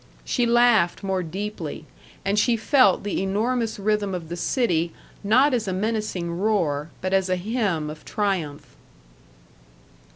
She laughed more deeply, and she felt the enormous rhythm of the city, not as a menacing roar, but as a hymn of triumph.